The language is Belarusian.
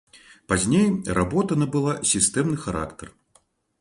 Пазней работа набыла сістэмны характар.